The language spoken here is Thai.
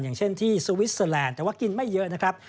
อย่างเช่นที่สวิสเตอร์แลนด์แต่ว่ากินไม่เยอะนะครับ